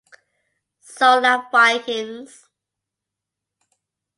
Solna Vikings